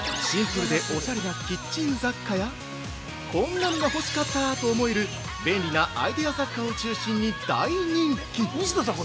シンプルでおしゃれなキッチン雑貨やこんなんが欲しかったと思える便利なアイデア雑貨を中心に大人気。